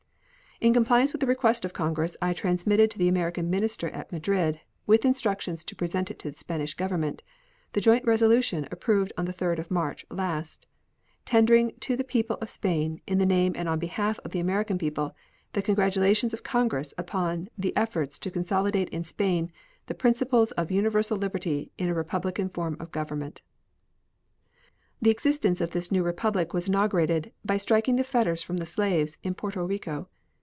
In compliance with the request of Congress, I transmitted to the American minister at Madrid, with instructions to present it to the Spanish Government, the joint resolution approved on the 3d of March last, tendering to the people of Spain, in the name and on the behalf of the American people, the congratulations of Congress upon the efforts to consolidate in Spain the principles of universal liberty in a republican form of government. The existence of this new Republic was inaugurated by striking the fetters from the slaves in Porto Rico.